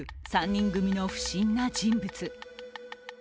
３人組の不審な人物。